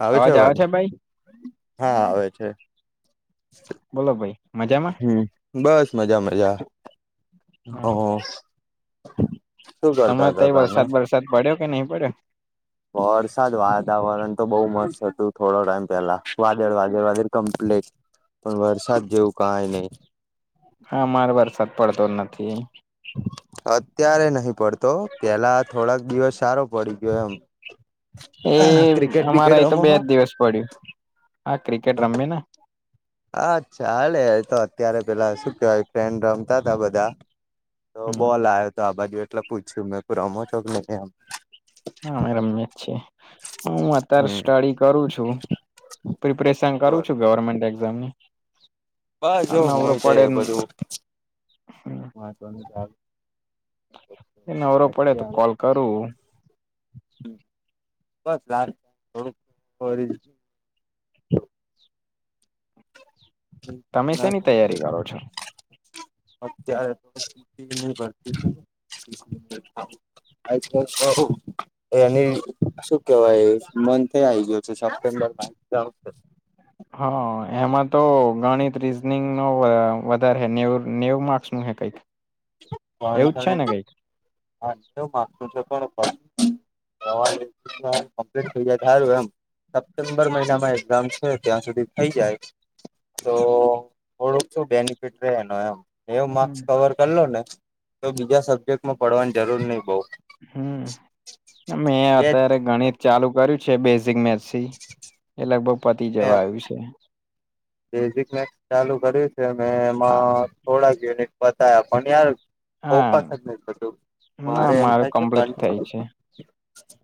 આવે છે અવાજ હા આવે છે. બોલો ભાઈ મજામાં? હ બસ મજા મજા હ હ તમાર તઈ વરસાદ બરસાદ પડ્યો કે નહીં પડ્યો? વરસાદ વાતાવરણ તો બહુ મસ્ત હતું થોડો ટાઈમ પેલા વાદળ વાદળ વાદળ કમ્પ્લીટ પણ વરસાદ જેવું કાઈ નહી હા માર વરસાદ પડતો જ નથી અત્યારે નહીં પડતો પેલા થોડાક દિવસ સારો પડી ગયો એમ એ ક્રિકેટ અમારા બિકેટ આઈ તો રમો બે જ હો દિવસ પડ્યું હા ક્રિકેટ રમિ ને હા ચાલે તો અત્યારે પેલા શું કેવાય ટ્રેન રમતા તા બધા તો બોલ આવ્યો તો આ બાજુ એટલે પૂછ્યું મેં રમો છો કે નહી આમ હા રમીએ છીએ હું અત્યારે હમ સ્ટડી કરું છું. પ્રિપરેેશન કરું બરોબર છું ગવર્મેન્ટ એ ઝામનું બસ જો હું તો બધું મહવનું ચ એ નવરો પડે તો અત્યારે કોલ કરું [unintelligible] થોડુંક ભરે તમે શેની તૈયારી કરો છો? અત્યારે તોન ભતી [inaudible] [unintelligible] એ એ શું કેવાય મંથ આ આવી ગયો છે સપ્ટેમ્બર મા હા, એમાં તો ગણિત રીઝનિંગ નો વધારે હ નેવ નેવ માર્કસ નું હે કઈક. પાણી એવું જ છે ને કઈક આ માું છે પણ કોમ્પલેટ થઈ જાય તો હારુ એમ સપ્ટેમ્બર મહિનામાં એક્ઝામ છે ત્યાં સુધી થઈ જાય તો થોડુંક શું બેનિફિટ રહેે એનો એમ [unintelligible] માર્ક્સ કવર કરલો ને તો બીજા સબ્જેક્ટમાં પડવાની જરૂર નહી બઉ હમ્મ, મેં બે અત્યારે ગણિત ચાલુ કર્યું છે બેઝિક મેસથી એ લગભગ પતી જવા આવ્યું છે. બેઝિક મેક્સ ચાલુ કર્યું છે મે હા એમાં થોડાક યુનિટ બતા્યા પણ યાર ફોકસ જ હા નઈ થતું, ના મારે એમ મારું થાય છે કમ્પ્લીટ થઈ છે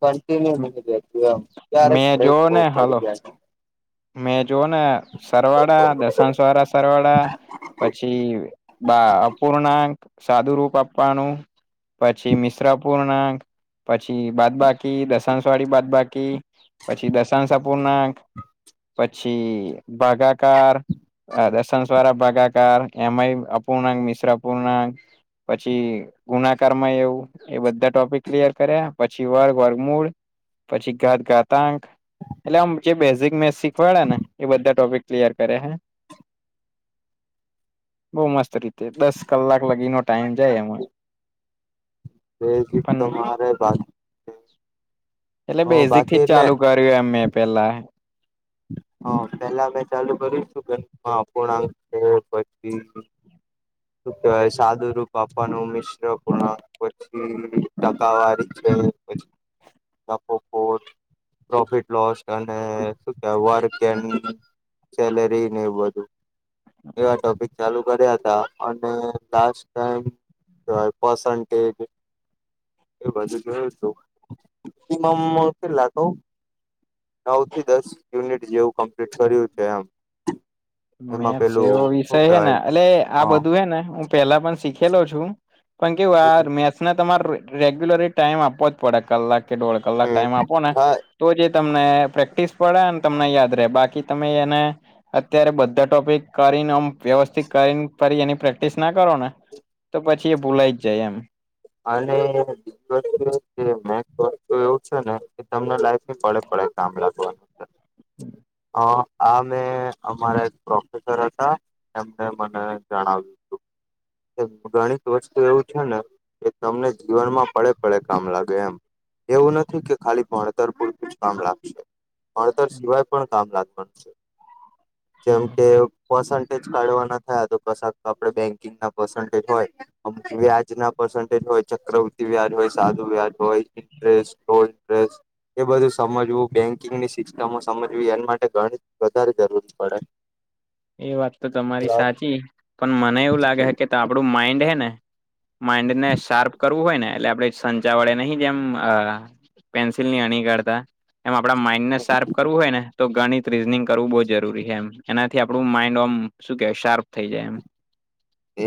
કન્ટિન્યુ નથી બેસતું એમ ત્યારે મેં બ્રેક જોવ બઉ ને હાલો પડી ગાય છે. મેં જોુવ ને સરવાળા, દસણસ વારા સરવાળા પછી બા અપૂર્ણાંક સાદુ રૂપ આપવાનું પછી મિશ્રાપૂર્ નાક પછી બાદ બાકી, દસણસ વાળી બાદ બાકી પછી દસણ અપૂર નાક પછી ભાગાકાર દર્શન સ્રા ભાગાકાર એમ અપૂર્ણાક મિશ્ર અપૂર્ણાક પછી ગુનાકાર માં એવું એ બધા ટોપિક ક્લિયર કર્યા, પછી વર્ગ વર્ગમૂળ, પછી ઘાત ઘાતાંક એટલે આમ જે બેઝિક મેથ શીખવાડ્યા ને એ બધા ટોપિક ક્લિયર કરે હે. બઉ મસ્ત રીતે, દસ કલાક લગીનો ટાઈમ જાય એમાં. બેઝિક પણ તો મારેય બાકી છે. એટલે બેઝિક થીજ ચાલુ કર્યું એમ મેં પેલા હા, પેલા મે ચાલુ કરી છું અહ પૂર્ણાંક છે પછી શુ કેવાય સાદું રુપ આપવાનું મિશ્ર અપૂર્ણાંક પછી ટકાવારી છે, પછી નફો ખોટ પ્રોફિટ લોસ અને શું કેવા વર્ક કેન સેલેરી ને એવું બધું એવા ટોપિક ચાલુ કર્યાતા અને લાસ્ટ ટાઈમ હું કેવાય પસંટેજ એ બાજુ જોયું તું મિનિમમ કેટલા કવ નવ થી દસ યુનિટ જેવું કમ્પ્લીટ કર્યું છે એમ એમાં મેથસ પેલું એવો શું વિષય હે ને કેવાય એટલે આ હા બધું હેને હું પેલા પણ શીખેલો છું. પણ કેવું આર મેથ ને તમારે રેગ્યુલરી ટાઈમ આપવો જ પડે કલાક કે દોઢ કલાક ટાઈમ આપો ને હા તો જ એ તમને પ્રેક્ટિસ પડે ને તમને યાદ રેહ બાકી તમે એને અત્યારે બધા ટોપિક કરીને આમ વ્યવસ્થિત કરીને ફરી એની પ્રેક્ટિસ ના કરો ને તો પછી એ ભૂલાઈ જ જાય એમ અને [unintelligible] મેથ વસ્તુ એવું છે ને તમને લાગે પડે પડે કામ લાગવાનું છે [inaudible] અ આ મેં અમારા એક પ્રોફેસર હતા. એમને મને જણાવ્યું તું કે ગણીત વસ્તુ એવું છે ને એ તમને જીવનમાં પડે પડે કામ લાગે એમ એવું નથી કે ખાલી ભણતર પૂરતું જ કામ લાગસે ભણતર સિવાય પણ કામ લાગવાનું છે જેમ કે પર્સન્ટેજ કાઢવાના થયા તો કાસ આપે બેંકિંગ ના પર્સન્ટેજ હોય અમુખ વ્યાજના પર્શન્ટેજ હોય ચક્રવૃતિ વ્યાજ હોય સાધું વ્યાજ હોય ઇન્ટરેસ્ટ, ગોલ્ડેસ એ બધું સમજવું બેન્કિંગની સિસ્ટમો સમજવી એને માટે ગણીત વધારે જરૂરી પડે એ વાત તો તમારી સાચી મને એવું લાગે હે કે આપડું માઈન્ડ હે ને માઇન્ડને શાર્પ કરવું હોય ને એટલે આપડે સંચા વડે નહીં જેમ પેન્સિલની અણી કાઢતા એમ આપડા માઈન્ડને શાર્પ કરવું હોય ને તો ગણિત રીઝનિંગ કરવું બહુ જરૂરી હે એમ એના થી આપણું માઈન્ડ ઓમ શું કેહેવાય શાર્પ થઈ જાય એમ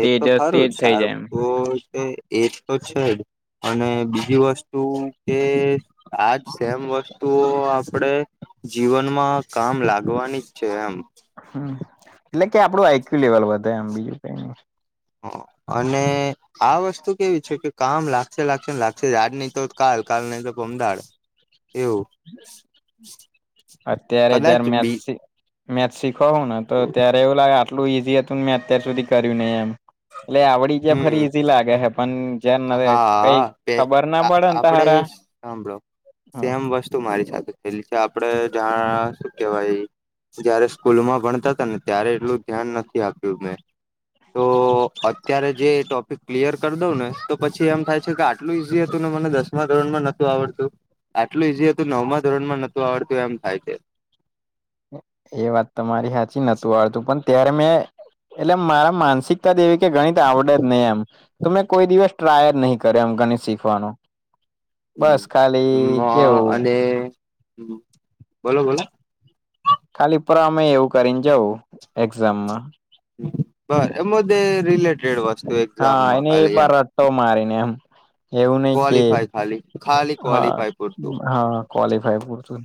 એ તો તેજ ખરું જ થઈ [unintelligible] જાય એમ તો એ તો છે જ અને બીજી વસ્તુ કે આજ સેમ વસ્તુઓ આપડે જીવનમાં કામ લાગવાની જ છે એમ હમ્મ એટલે કે આપડું આઈક્યુ લેવલ વધે એમ બીજું કઈ નઈ હમ્મ અને આ વસ્તુ કેવી છે કે કામ લાગશે લાગશે ને લાગશે આજ ની તો કાલ કાલ ની તો પમદાડ એવું અત્યારે જ્યારે કદાચ મેથ બી શી મેથ શીખો હું ને તો ત્યારે એવું લાગે આટલુ ઈઝી હતું મેં અત્યાર સુધી કર્યું નઈ એમ એટલે આવડી જયા ફરી હમ ઈઝી લાગે હે પણ જયારે કઈ હા પે ખબર ના આ પડે ને આપડે તારા જ હાભળો હ સેમ વસ્તુ તું મારી સાથે થયેલી છે આપડે જાણ શું કેવાઈ જયારે સ્કૂલ માં ભણતા તા ને ત્યારે એટલું ધ્યાન નથી આપ્યું મેં તો [inaudible] અત્યારે જે ટોપિક ક્લિયર કરી દઉં ને તો પછી એમ થાય છે કે આટલું ઈઝી હતું ને મને દસમા ધોરણ માં નતુ આવડતું આટલું ઈઝી હતું નવમા ધોરણ માં નતુ આવડતું એમ થાય છે. એ વાત તમારી સાચી નતું આવડતું પણ ત્યારે મેં એટલે મારા માનસિકતા જ એવી કે ગણિત આવડે જ નઈ એમ તો મેં કોઈ દિવસ ટ્રાય જ નહીં કર્યો એમ ગણિત શીખવાનું બસ ખાલી કેવુ [unintelligible] હ બોલો બોલો ખાલી પ્રમેય એવું કરીને જઉં એક્ઝામમાં [unintelligible] રિલેટેડ વસ્તુ એક્ઝામમાં ખાલી એમ તો મારીને એમ એવું નઈ કે ક્વોલિફાય ખાલી ખાલી હ ક્વોલિફાય પૂરતું હ ક્વોલિફાય પૂરતુ ન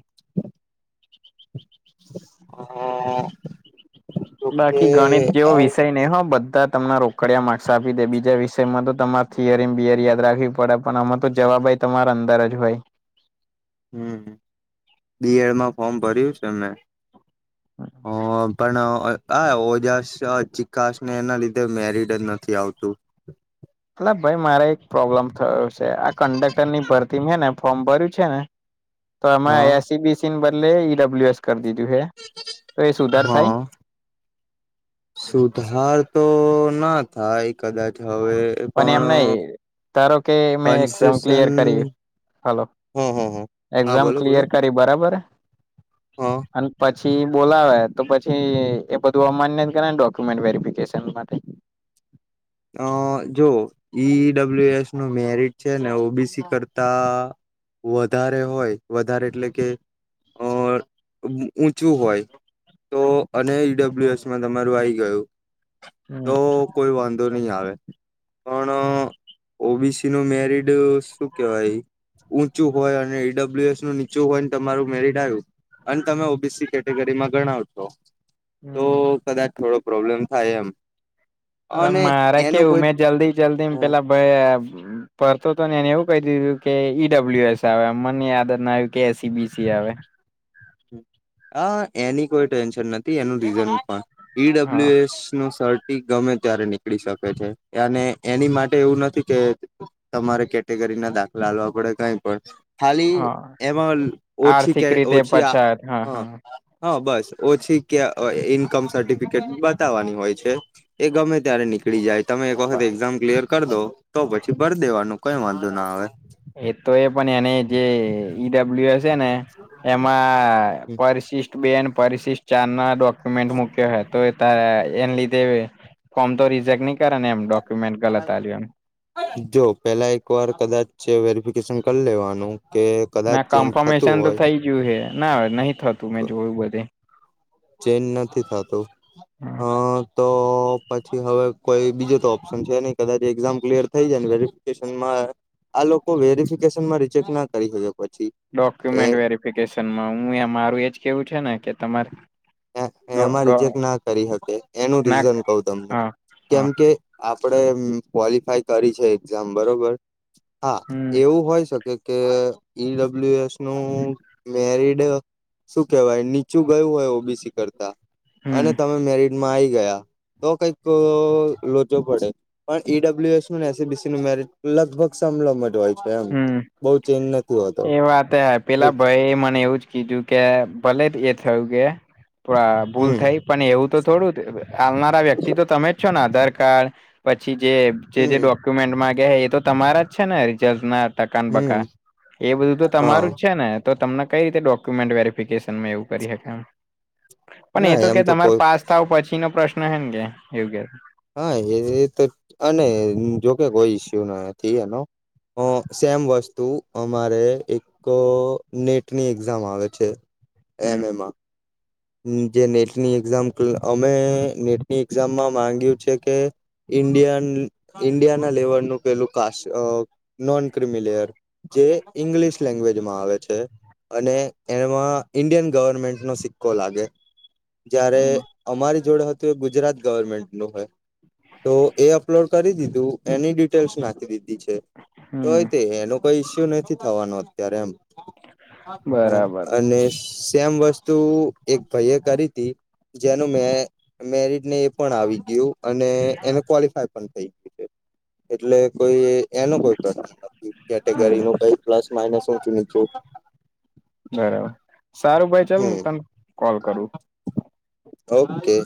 અ ઓકે બાકી ગણિત જેવો વિષય નઇ હો બધા ત તમને રોકડિયા માર્ક્સ આપી દે બીજા વિષયમાં તો તમારે થિયરીને બિયરી યાદ રાખવી પડે પણ આમાં તો જવાબ તમારા અંદર જ હોય હમ્મ બી એડ માં ફોર્મ ભર્યું છે મે [inaudible] હા પણ આ ઓજાસ ચીકાસ ને એના લીધે મેરીડ જ નથી આવતું એલા ભાઈ મારે એક પ્રોબ્લેમ થયો છે આ કંડેક્ટર ની ભરતી છે ને ફોર્મ ભર્યું છે ને [inaudible] તો આમાં હા એ સી બી સી ને બદલે ઈ ડબલ્યુ એસ કરી દીધું છે તો એ સુધાર થાય હા સુધાર તો ના થાય કદાચ હવે એ એમ નહી પણ ધારો કે મેં એક્ઝામ કન્સેેશન ક્લિયર કરી હલો હા હા હા એક્ઝામ બોલો બોલો ક્લિયર કરી બરાબર હા અને પછી બોલાવે તો પછી એ બધું અમાન્ય કરેને ડોક્યુમેન્ટ વેરીફિકેશન માટે અ જો ઈ ડબલ્યુ એસ નું મેરિટ છે ને ઓ બી સી કરતા વધારે હોય વધારે એટલે કે ઓવર ઊંચું હોય તો અને ઈ ડબલ્યુ એસ માં તમારું આઈ ગયું હમ તો કોઈ વાં નહી આવે પણ ઓ બી સી નું મેરિડ શું કેવાય ઊંચું હોય અને ઈ ડબલ્યુ એસ નું નીચું હોયને તમારું મેરિટ આવ્યું અને તમે ઓ બી સી કેટેગરીમાં ગણાવો તો હમ કદાચ થોડો પ્રોબ્લેમ થાય એમ અ અને મારે એનું કેવું કોઈ મેં જલ્દી જલ્દી માં પેલા ભઈ ભરતો તો ને એને એવું કહી દીધું કે ઈ ડબ્લ્યુ એસ આવે મને યાદ જ ના આવ્યું કે એ. સી. બી. સી આવે અ એની કોઈ ટેન્શન નથી એનુ રીઝન પણ ઇ હા ડબલ્યુ એસ નુ શર્ટી ગમે ત્યારે નીકળી શકે છે અને એની માટે એવું નથી કે તમારે કેટેગરી ના દાખલા હાલવા પડે કઈ પણ ખાલી હા એમાં ઓછી આર્થિક કે રીતે ઓછી આ પછાત હા હા હા હા બસ ઓછી કે અ ઇન્કમ સર્ટિફિકેટ બતાવવાની હોય છે એ ગમે ત્યારે નીકળી જાય તમે એક વખત એક્ઝામ ક્લિયર કરી દો તો પછી ભરી દેવાનું કઈ વાંધો ના આવે એ તો એ પણ એને જે ઈ ડબલ્યુ એસ છે ને એમાં પરિશિષ્ટ બે અને પરિશિષ્ટ ચાર ના ડોક્યુમેન્ટ મૂક્યો હે તો તા એને લીધે ફોર્મ તો રિજેક્ટ નહી કરે ને એમ ડોક્યુમેન્ટ ગલત હાલ્યો એમ જો પેલા એક વાર કદાચ વેરિફિકેશન કરી લેવાનું કે કદાચ ના ચેન્જ થતું કન્ફર્મેશન તો હોય થઈ ગયું હે ના નહી થતું મેં જોયું બધે ચેન્જ નથી થતો હા અ તો પછી હવે કોઈ બીજો તો ઓપ્શન છે નહી કદાચ એક્ઝામ ક્લિયર થઈ જાય ને કરિ આ લોકો વેરીફિકેશનમાં રિચેક ના કરી શકે પછી એ ડોક્યુમેન્ટ વેરિફિકેશનમાં હું એ મારું એજ કેવું છે ને કે તમારે ડો એમાં ડો રિજેક્ટ ના કરી હકે એનું ના રીઝન કવ તમને હા કેમ હા કે આપણે ક્વોલિફાય કરી છે એક્ઝામ બરોબર હા હમ એવું હોય શકે કે ઈ ડબલ્યુ એસ નું મેરિડ શું કહેવાય નીચું ગયું હોય ઓ. બી. સી કરતા અને હમ તમે મેરિટમાં આવીઈ ગયા તો કઈક લોચો પડે પણ ઈ. ડબ્લ્યુ. એસને એ. સી. બી. સી ન મેરિટ લગભગ સમલમ જ હોય છે એમ હમ, બઉ ચેન્જ નથી હોતો એ વાત હ, પેલા એક ભાઈ મને એવું જ- -કીધુકે ભલે જે થયું કે પોરા ભૂલ હમ થઈ- પણ, એવું તો થોડું, આલનારા વ્યક્તિ તો તમેજ છો ને, આધાર કાર્ડ પછી જે- જે, હમ જે, ડોક્યુમેન્ટ માંગે હે, એ તો તમારા જ છે ને? રિજલ્ટ ના? ટકાન હમ બકા એ બધું તો હા તમારું જ છે ને? તો તમને કઈ રીતે, ડોક્યુમેન્ટ વેરિફિકેશનમાં એવું કરી શકાય એમ પણ ના એ તો એમ કે તમારે કોઈ પાસ થાવ પછી નો પ્રશ્ન હ ને કે એવું કે હા એ તો અને જોકે કોઈ ઈસ્યુ નથી એના અ સેમ વસ્તુ અમારે એક તો નેટની એક્ઝામ આવે છે એમ હમ એનામાં જે નેટની એક્ઝામ અમે નેટની એક્ઝામમાં માંગ્યું છે કે ઇન્ડયન ઇન્ડિયાના લેવલનું પેલું ક નોન ક્રિમિલેયર જે ઈંગ્લિશ લેન્ંગ્વેજમાં આવે છે. અને એમાં ઈન્ડિયન ગવર્મેન્ટ ન સિક્કો લાગે જ્યારે હમ અમારી જોડે હતું એ ગુજરાત ગવર્મેન્ટ નું હોય તો એ અપલોડ કરી દીધું એની ડિટેલ્સ નાખી દીધી છે તોય તે હમ એનું કોઈ ઈસ્યુ નથી થવાનું અત્યારે એમ હા બરાબર અને સેમ વસ્તુ એક ભાઈ એ કરી હતી જેનું મેં મેરિટ ને એ પણ આવી ગયું અને એને ક્વોલિફાય પણ થઈ ગયું છે. એટલે કોઈ એનો કોઈ પ્ર નથી કેટેગરી હમ ન કઈ પ્લસ માઇનસ ઊશું નીચું બરાબર સારું ભાઈ ચાલ હું હમ તને કોલ કરું ઓકે